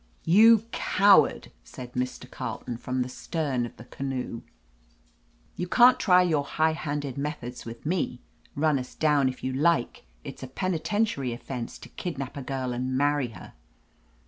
"You coward !" said Mr. Carleton from the stem of the canoe. "You can't try your high 334 OF LETITIA CARBERRY handed methods with me. Run us down if you like. It's a penitentiary offense to kidnap a girl and marry her.'